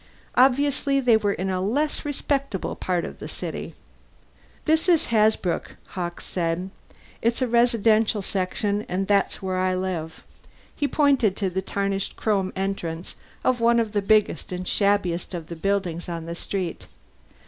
Obviously they were in a less respectable part of the city. "This is Hasbrouck," Hawkes said. "It's a residential section. And there's where I live." He pointed to the tarnished chrome entrance of one of the biggest and shabbiest of the buildings on the street.